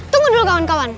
tunggu dulu kawan kawan